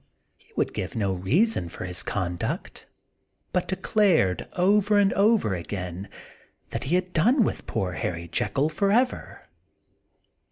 He would give no reason for his conduct, but declared, over and over again, i8 The Untold Sequel of that he had done with poor Harry Jekyll forever.